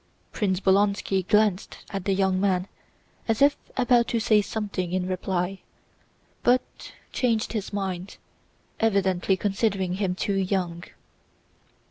Prince Bolkónski glanced at the young man as if about to say something in reply, but changed his mind, evidently considering him too young.